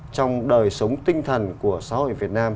trong đời sống tinh thần của xã hội việt nam